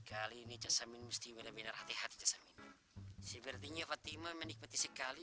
kali ini casamin musti benar benar hati hati casamin sepertinya fatima menikmati sekali